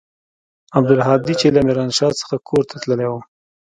عبدالهادي چې له ميرانشاه څخه کور ته تللى و.